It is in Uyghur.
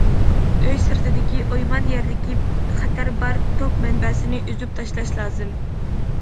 ئۆي سىرتىدىكى ئويمان يەردىكى خەتەر بار توك مەنبەسىنى ئۈزۈپ تاشلاش لازىم.